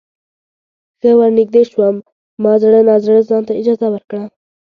ښه ورنږدې شوم ما زړه نا زړه ځانته اجازه ورکړه.